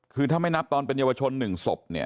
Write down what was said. คือถ้าไม่นับตอนเป็นเยาวชน๑ศพเนี่ย